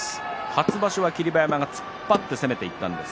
初場所は霧馬山突っ張って攻めました。